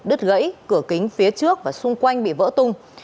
đứt gãy cửa kính phía trước và xung quanh bị vỡ tung